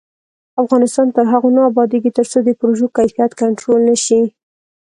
افغانستان تر هغو نه ابادیږي، ترڅو د پروژو کیفیت کنټرول نشي.